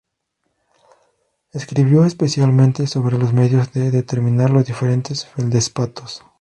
Escribió especialmente sobre los medios de determinar los diferentes feldespatos.